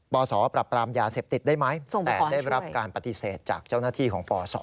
ป่อสอปรับปรามยาเสพติดได้ไหมแต่ได้รับการปฏิเสธจากป่อสอ